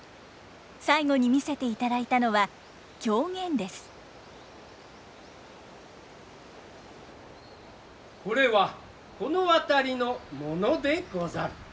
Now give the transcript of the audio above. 最後に見せていただいたのはこれはこの辺りのものでござる。